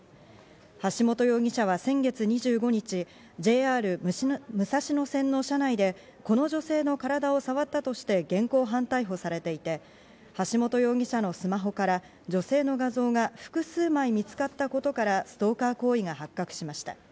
橋本容疑者は先月２５日、ＪＲ武蔵野線の車内でこの女性の体を触ったとして現行犯逮捕されていて、橋本容疑者のスマホから女性の画像が複数枚見つかったことからストーカー行為が発覚しました。